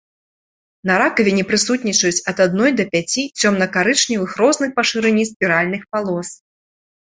На ракавіне прысутнічаюць ад адной да пяці цёмна-карычневых розных па шырыні спіральных палос.